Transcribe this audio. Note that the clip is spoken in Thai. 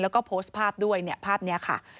แล้วก็โพสต์ภาพด้วยเนี่ยภาพนี้ค่ะ